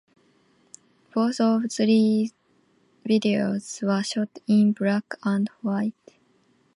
Both of these videos were shot in black and white.